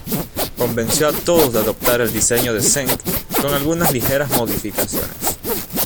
Convenció a todos a adoptar el diseño de Zeng con algunas ligeras modificaciones.